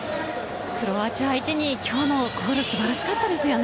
クロアチア相手に今日のゴール素晴らしかったですね。